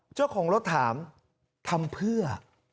เจ้าของรถถามทำเพื่อ